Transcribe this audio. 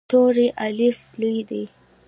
توری “الف” لوی دی.